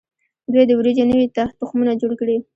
دوی د وریجو نوي تخمونه جوړ کړي.